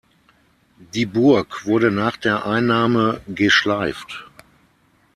Die Burg wurde nach der Einnahme geschleift.